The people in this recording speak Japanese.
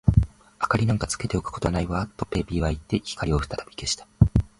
「明りなんかつけておくことはないわ」と、ペーピーはいって、光をふたたび消した。